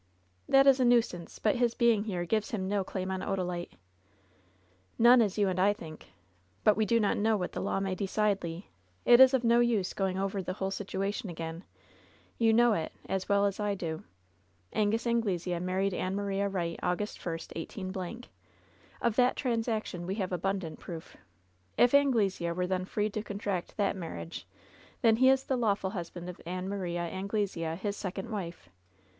"That is a nuisance ; but his being here gives him no claim on Odalite." "None as you and I think. But we do not know what the law may decide, Le. It is of no use going over the whole situation again. You know it, as well as I do. Angus Anglesea married Ann Maria Wright, August 1, 18—. Of that transaction we have abimdant proof. If Anglesea were then free to contract that marriage, then is he the lawful husband of Ann Maria Anglesea, his second wife.